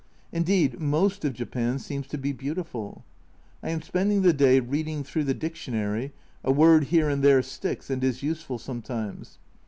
Indeed, most of Japan seems to be beautiful. I am spending the day reading through the dictionary, a word here and there sticks and is useful sometimes.